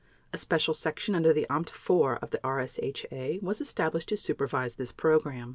A special section under the Amt IV of the RSHA was established to supervise this program.